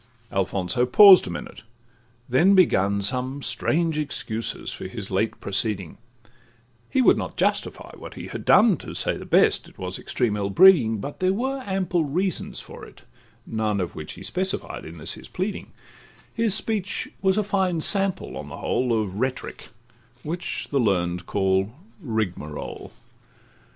Alfonso paused a minute—then begun Some strange excuses for his late proceeding; He would not justify what he had done, To say the best, it was extreme ill breeding; But there were ample reasons for it, none Of which he specified in this his pleading: His speech was a fine sample, on the whole, Of rhetoric, which the learn'd call 'rigmarole.